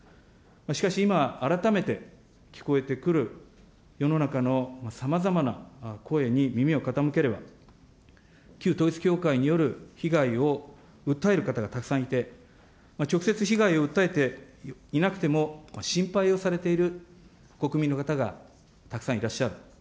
しかし今、改めて聞こえてくる世の中のさまざまな声に耳を傾ければ、旧統一教会による被害を訴える方がたくさんいて、直接被害を訴えていなくても心配をされている国民の方がたくさんいらっしゃる。